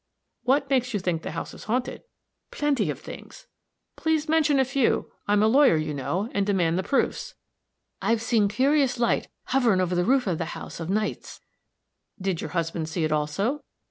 "What makes you think the house is haunted?" "Plenty of things." "Please mention a few. I'm a lawyer, you know, and demand the proofs." "I've seen a curious light hovering over the roof of the house of nights." "Did your husband see it also?"